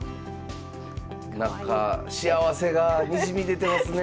なんか幸せがにじみ出てますねえ！